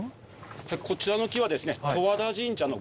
こちらの木はですね。